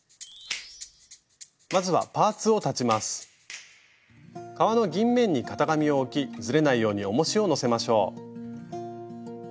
まずは革の銀面に型紙を置きずれないようにおもしをのせましょう。